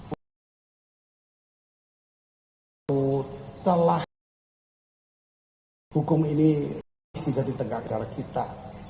untuk telah hukum ini bisa ditengahkan agar kita